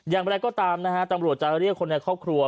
อย่างไรก็ตามนะฮะตำรวจจะเรียกคนในครอบครัว